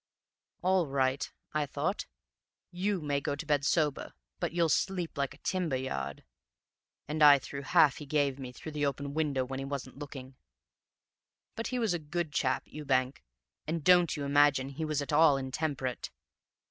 "'All right,' I thought, 'you may go to bed sober, but you'll sleep like a timber yard!' And I threw half he gave me through the open window, when he wasn't looking. "But he was a good chap, Ewbank, and don't you imagine he was at all intemperate.